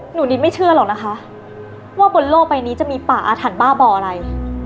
นิดไม่เชื่อหรอกนะคะว่าบนโลกใบนี้จะมีป่าอาถรรพ้าบ่ออะไร